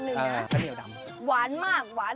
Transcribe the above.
มีเพื่อสุขภาพเข้ามา